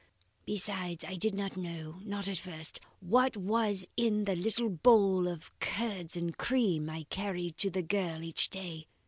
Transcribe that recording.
Besides, I did not know not at first what was in the little bowl of curds and cream I carried to the girl each day.